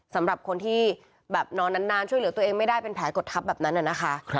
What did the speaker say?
สำหรับคนที่แบบนอนนานช่วยเหลือตัวเองไม่ได้เป็นแผลกดทับแบบนั้นนะคะ